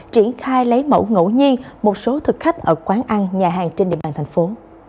triển khai lấy mẫu ngẫu nhiên một số thực khách ở quán ăn nhà hàng trên địa bàn thành phố